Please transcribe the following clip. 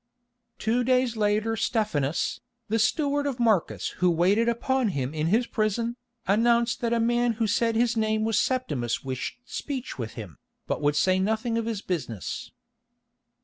Two days later Stephanus, the steward of Marcus who waited upon him in his prison, announced that a man who said his name was Septimus wished speech with him, but would say nothing of his business.